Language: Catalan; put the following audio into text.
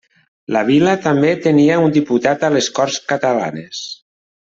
La vila també tenia un diputat a les Corts Catalanes.